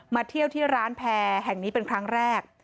เที่ยวที่ร้านแพร่แห่งนี้เป็นครั้งแรก